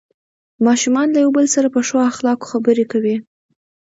ماشومان له یو بل سره په ښو اخلاقو خبرې کوي